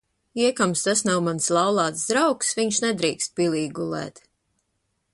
Iekams tas nav mans laulāts draugs, viņš nedrīkst pilī gulēt.